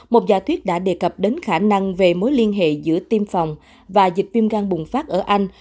một giả thuyết đã đề cập đến khả năng về mối liên hệ giữa tiêm phòng và dịch viêm gan bùng phát ở anh